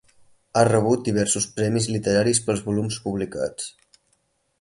Ha rebut diversos premis literaris pels volums publicats.